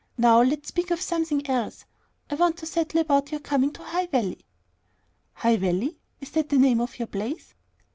Now let's speak of something else. I want to settle about your coming to High Valley." "High Valley? Is that the name of your place?"